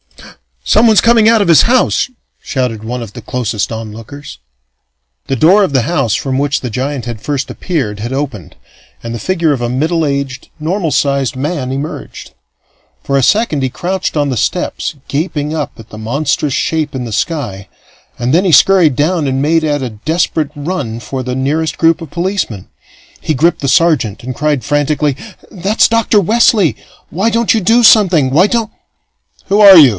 "Someone's coming out of his house!" shouted one of the closest onlookers. The door of the house from which the giant had first appeared had opened, and the figure of a middle aged, normal sized man emerged. For a second he crouched on the steps, gaping up at the monstrous shape in the sky, and then he scurried down and made at a desperate run for the nearest group of policemen. He gripped the sergeant and cried frantically: "That's Dr. Wesley! Why don't you do something? Why don't " "Who are you?"